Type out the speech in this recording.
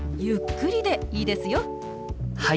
はい。